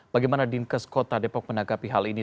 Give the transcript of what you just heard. bagaimana dinkes kota depok menanggapi hal ini